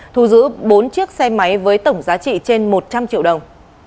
thu giữ bốn chiếc xe máy với tổng giá trị trên một trăm linh triệu đồng